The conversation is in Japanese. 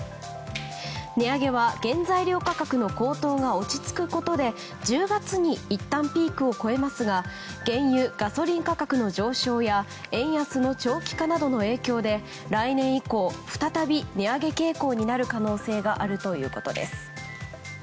値上げは原材料価格の高騰が落ち着くことで１０月にいったんピークを越えますが原油・ガソリン価格の上昇や円安の長期化などの影響で来年以降、再び値上げ傾向になる可能性があるということです。